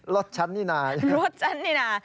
รถชั้นนี่นารถชั้นนี่นา